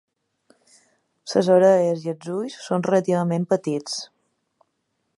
Les orelles i els ulls són relativament petits.